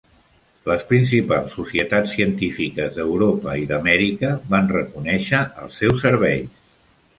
Les principals societats científiques d'Europa i d'Amèrica van reconèixer els seus serveis.